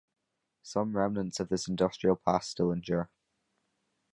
Some remnants of this industrial past still endure.